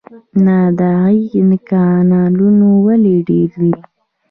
نادعلي کانالونه ولې ډیر دي؟